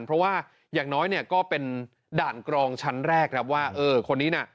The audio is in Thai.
เพราะว่าอย่างน้อยเนี่ยก็เป็นด่านกรองชั้นแรกครับว่าเออคนนี้น่ะ